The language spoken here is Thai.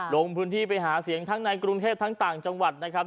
ลงพื้นที่ไปหาเสียงทั้งในกรุงเทพทั้งต่างจังหวัดนะครับ